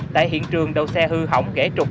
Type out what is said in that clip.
tại hiện trường đầu xe hư hỏng kẻ trục